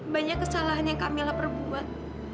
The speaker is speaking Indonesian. banyak kesalahan yang kamila perbuat